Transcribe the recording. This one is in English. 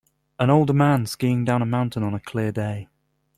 A older man skiing down a mountain on a clear day